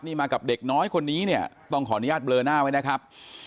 นี่มากับเด็กน้อยคนนี้เนี่ยต้องขออนุญาตเบลอหน้าไว้นะครับ